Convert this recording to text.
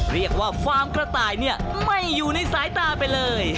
เรียกว่าฟาร์มกระต่ายนี่ไม่อยู่ในสายตาไปเลย